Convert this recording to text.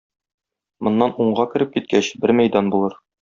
Моннан уңга кереп киткәч, бер мәйдан булыр.